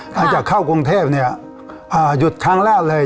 หลังจากเข้ากรุงเทพเนี่ยหยุดครั้งแรกเลย